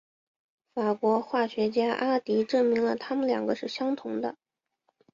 法国化学家阿迪证明了它们两个是相同的。